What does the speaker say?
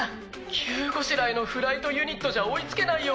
急ごしらえのフライトユニットじゃ追いつけないよ。